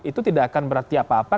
itu tidak akan berarti apa apa